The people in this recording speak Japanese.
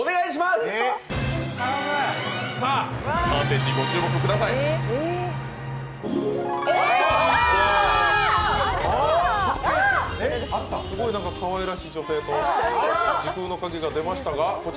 すごいかわいらしい女性と時空の鍵が出ましたが。